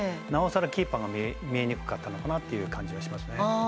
なおさらキーパーが見えにくかった感じがします。